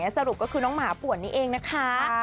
สรุปก็คือน้องหมาป่วนนี้เองนะคะ